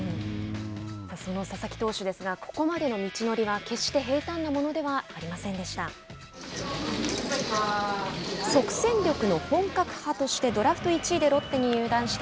その佐々木投手ですがここまでの道のりは決して平たんなものではありませんでした。